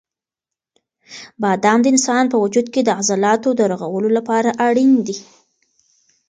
بادام د انسان په وجود کې د عضلاتو د رغولو لپاره اړین دي.